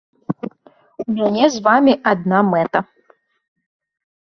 У мяне з вамі адна мэта.